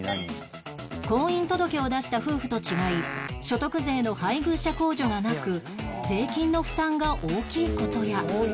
婚姻届を出した夫婦と違い所得税の配偶者控除がなく税金の負担が大きい事や